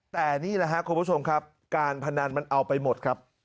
แต่นี่แหละครับคุณผู้ชมครับการพนันมันเอาไปหมดครับ